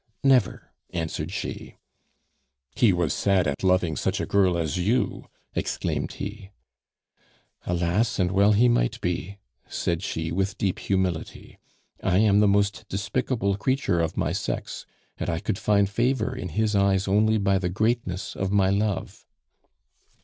"Never," answered she. "He was sad at loving such a girl as you!" exclaimed he. "Alas! and well he might be," said she, with deep humility. "I am the most despicable creature of my sex, and I could find favor in his eyes only by the greatness of my love."